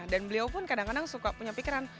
dan beliau pun kadang kadang suka punya pikiran